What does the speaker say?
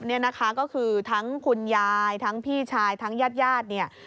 เนี่ยนะคะก็คือทั้งคุณยายทั้งพี่ชายทั้งญาติญาติเนี่ย